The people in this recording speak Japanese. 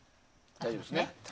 大丈夫ですね。